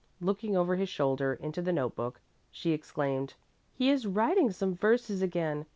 Looking over his shoulder into the note book, she exclaimed, "He is writing some verses again!